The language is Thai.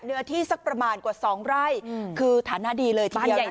เนื้อที่สักประมาณกว่า๒ไร่คือฐานะดีเลยบ้านใหญ่